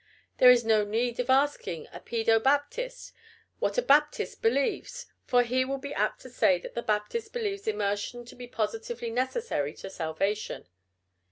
There is no need of asking a pedo Baptist what a Baptist believes, for he will be apt to say that the Baptist believes immersion to be positively necessary to salvation.